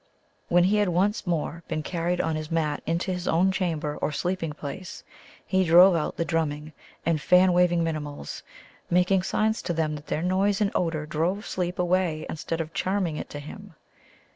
When he had once more been carried on his mat into his own chamber or sleeping place, he drove out the drumming and fan waving Minimuls, making signs to them that their noise and odour drove sleep away instead of charming it to him.